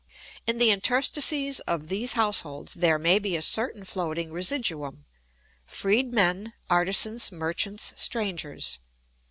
In the interstices of these households there may be a certain floating residuum—freedmen, artisans, merchants, strangers.